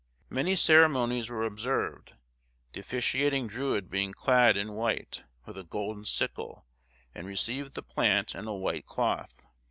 Many ceremonies were observed, the officiating Druid being clad in white, with a golden sickle, and received the plant in a white cloth.